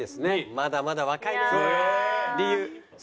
まだまだ若いね。